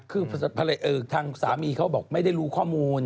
คือทางสามีเขาบอกไม่ได้รู้ข้อมูล